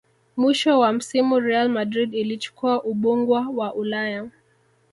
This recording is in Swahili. mwisho wa msimu real madrid ilichukua ubungwa wa ulaya